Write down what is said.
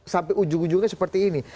sampai ujung ujungnya seperti ini